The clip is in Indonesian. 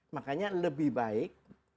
makanya lebih baik